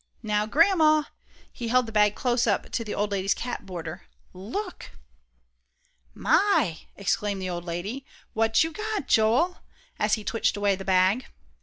Now, Grandma," he held the bag close up to the old lady's cap border, "look!" "My!" exclaimed the old lady. "What you got, Joel?" as he twitched away the bag.